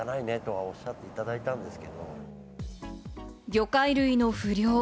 魚介類の不漁。